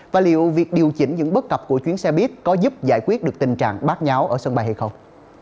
và liệu việc điều chỉnh những bất cập của chuyến xe buýt có giúp giải quyết được tình trạng bác nháo ở sân bay hay không